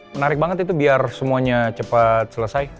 menarik banget itu biar semuanya cepat selesai